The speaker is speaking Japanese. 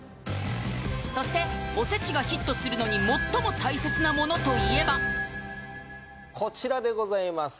そしておせちがヒットするのに最も大切なものといえばこちらでございます